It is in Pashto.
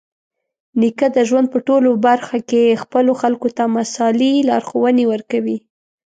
نیکه د ژوند په ټولو برخه کې خپلو خلکو ته مثالي لارښوونې ورکوي.